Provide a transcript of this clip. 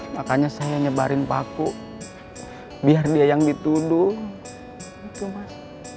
makanya saya nyebarin paku biar dia yang dituduh gitu mas